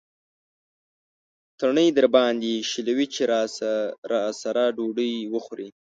تڼۍ درباندې شلوي چې راسره ډوډۍ وخورې.